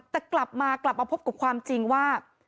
แต่กลับมากลับมาพบกับความจริงว่า